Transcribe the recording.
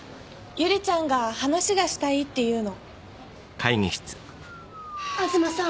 百合ちゃんが話がしたいっていうの東さん